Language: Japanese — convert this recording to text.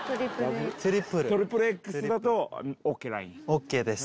ＯＫです。